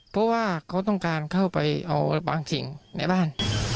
เพราะว่าเขาต้องการเข้าไปเอาบางสิ่งในบ้าน